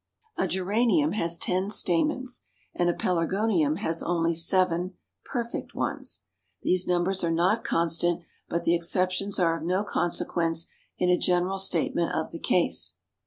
A Geranium has ten stamens, and a Pelargonium has only seven (perfect ones). These numbers are not constant, but the exceptions are of no consequence in a general statement of the case.